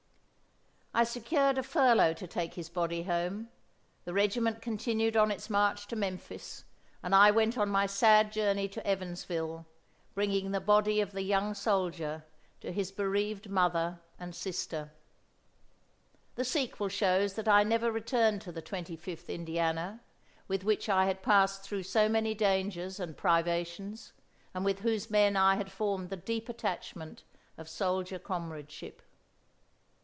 I secured a furlough to take his body home. The regiment continued on its march to Memphis, and I went on my sad journey to Evansville, bringing the body of the young soldier to his bereaved mother and sister. The sequel shows that I never returned to the Twenty fifth Indiana, with which I had passed through so many dangers and privations, and with whose men I had formed the deep attachment of soldier comradeship.